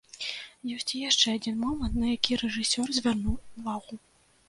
Ёсць і яшчэ адзін момант, на які рэжысёр звярнуў увагу.